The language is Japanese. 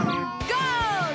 ゴール！